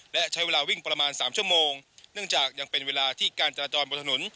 และใช้เวลาวิ่งประมาณสามชั่วโมงเนื่องจากยังเป็นเวลาที่การจราจรบนถนน